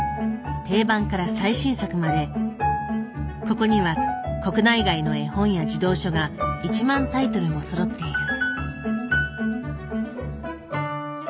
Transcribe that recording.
定番から最新作までここには国内外の絵本や児童書が１万タイトルもそろっている。